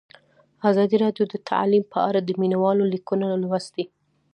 ازادي راډیو د تعلیم په اړه د مینه والو لیکونه لوستي.